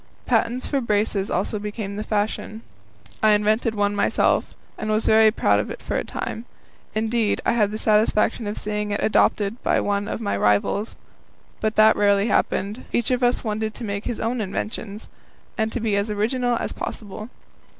Patents for braces also became the fashion. I invented one myself, and was very proud of it for a time indeed, I had the satisfaction of seeing it adopted by one of my rivals. But that rarely happened; each of us wanted to make his own inventions, and to be as original as possible.